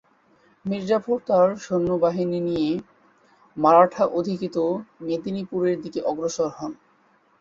মীর জাফর তার সৈন্যবাহিনী নিয়ে মারাঠা-অধিকৃত মেদিনীপুরের দিকে অগ্রসর হন।